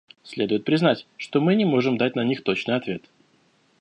Следует признать, что мы не можем дать на них точный ответ.